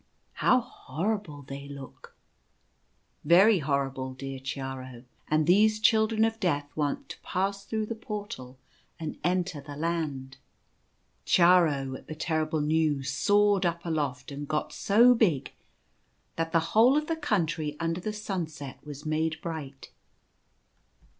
" How horrible they look !"" Very horrible, dear Chiaro ; and these Children of Death want to pass through the Portal and enter the Land." Chiaro, at the terrible news, soared up aloft, and got so big that the whole of the Country Under the Sunset The Children of Death. 9 was made bright.